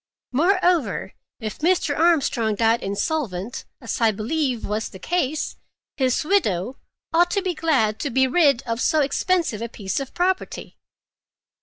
Moreover, if Mr. Armstrong died insolvent, as I believe was the case, his widow ought to be glad to be rid of so expensive a piece of property."